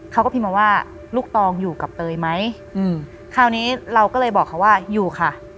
เขาก็พิมพ์มาว่าลูกตองอยู่กับเตยไหมอืมคราวนี้เราก็เลยบอกเขาว่าอยู่ค่ะ